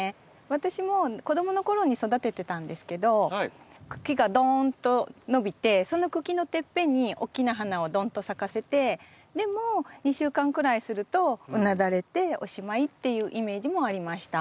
私も子供の頃に育ててたんですけど茎がドーンと伸びてその茎のてっぺんに大きな花をドンと咲かせてでも２週間くらいするとうなだれておしまいっていうイメージもありました。